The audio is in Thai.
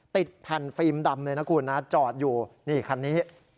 ติดแผ่นฟิล์มดำเลยนะคุณนะจอดอยู่นี่คันนี้